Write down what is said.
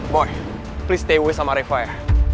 boy tolong tetap bersama reva ya